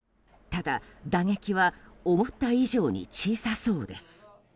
ただ、打撃は思った以上に小さそうです。